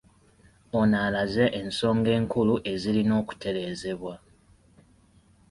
Ono alaze ensonga enkulu ezirina okutereezebwa